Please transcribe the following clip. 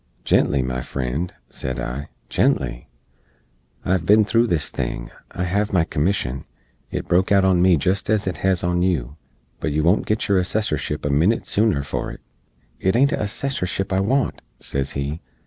"Gently, my frend," sed I, "gently! I hev bin thro' this thing; I hev my commission. It broke out on me jest ez it hez on yoo; but yoo won't git yoor Assessorship a minit sooner for it." "It ain't a Assessorship I want," sez he.